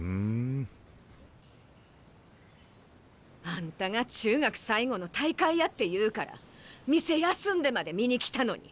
あんたが中学最後の大会やって言うから店休んでまで見に来たのに。